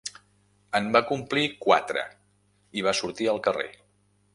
En va complir quatre i va sortir al carrer.